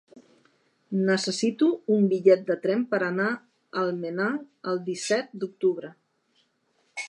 Necessito un bitllet de tren per anar a Almenar el disset d'octubre.